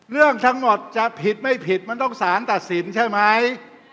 เรื่องทั้งหมดจะผิดไม่ผิดมันต้องสารตัดสินใช่ไหม